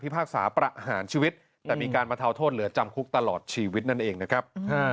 พากษาประหารชีวิตแต่มีการบรรเทาโทษเหลือจำคุกตลอดชีวิตนั่นเองนะครับ